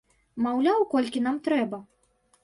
Маўляў, колькі нам трэба?